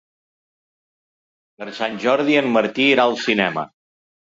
Per Sant Jordi en Martí irà al cinema.